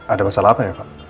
ada masalah apa ya pak